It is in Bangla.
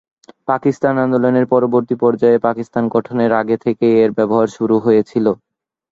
পাকিস্তান আন্দোলনের পরবর্তী পর্যায়ে পাকিস্তান গঠনের আগে থেকেই এর ব্যবহার শুরু হয়েছিল।